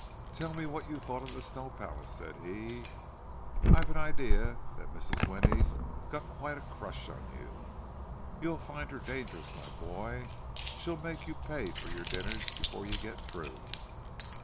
"Tell me what you thought of the Snow Palace," said he. "I've an idea that Mrs. Winnie's got quite a crush on you. You'll find her dangerous, my boy—she'll make you pay for your dinners before you get through!"